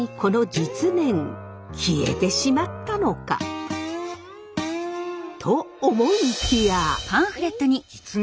消えてしまったのか？と思いきや！